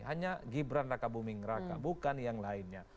hanya gibran raka buming raka bukan yang lainnya